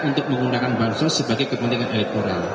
untuk menggunakan bansos sebagai kepentingan elektoral